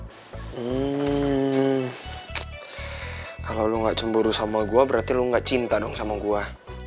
hmm kalo lo gak cemburu sama gue berarti lo gak cinta dong sama gue